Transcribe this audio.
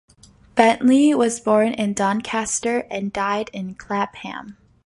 Bentley was born in Doncaster, and died in Clapham.